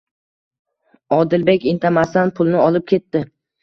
Odilbek indamasdan pulni olib ketdi.